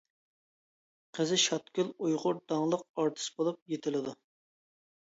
قىزى شاتگۈل ئۇيغۇر داڭلىق ئارتىس بولۇپ يېتىلىدۇ.